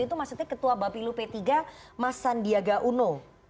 itu maksudnya ketua bapilu p tiga mas sandiaga uno